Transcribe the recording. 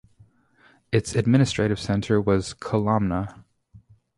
Its administrative centre was Kolomna.